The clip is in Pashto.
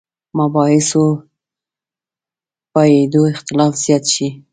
مباحثو بابېدو اختلاف زیات شي.